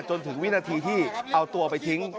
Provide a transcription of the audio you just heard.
จนถึงวินาทีที่เอาตัวไปทิ้ง